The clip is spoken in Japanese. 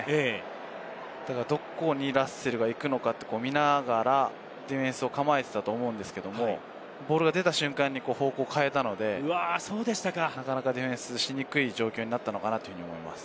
だからどこにラッセルが行くのか見ながらディフェンスを構えていたと思うんですけど、ボールが出た瞬間に、方向を変えたので、なかなかディフェンスしにくい状況になったのかなと思います。